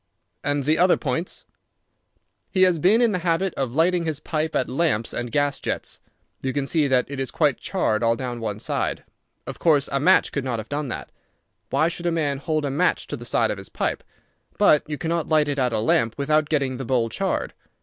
"And the other points?" "He has been in the habit of lighting his pipe at lamps and gas jets. You can see that it is quite charred all down one side. Of course a match could not have done that. Why should a man hold a match to the side of his pipe? But you cannot light it at a lamp without getting the bowl charred.